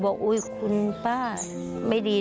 ป้าก็ทำของคุณป้าได้ยังไงสู้ชีวิตขนาดไหนติดตามกัน